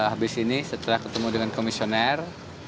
habis ini setelah ketemu dengan komisioner